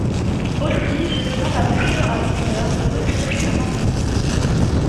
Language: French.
Aussi, je demande à Monsieur le rapporteur de retirer son amendement.